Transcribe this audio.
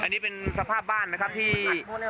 อันนี้เป็นสภาพน้ำบ้านที่